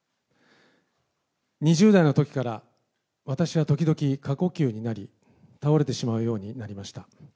２０代のときから私は時々、過呼吸になり、倒れてしまうようになりました。